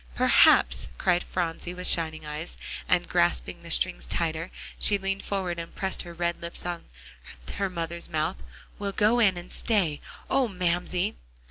"Perhaps," cried Phronsie with shining eyes, and grasping the strings tighter she leaned forward and pressed her red lips on the mother's mouth, "we'll go in and stay. Oh, Mamsie!"